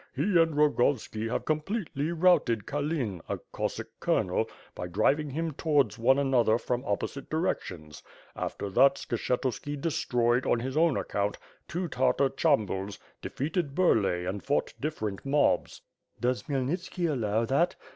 He and Rogovski have completely routed Kalin, a Cossack colonel, by driving him towards one another from opposite directions. After that Skshetuski destroyed, on his own account, two Tartar cham buls, defeated Burlay and fought different mobs.'* "Does Khmyelnitski allow that?'